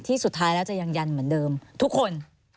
สุดท้ายแล้วจะยังยันเหมือนเดิมทุกคน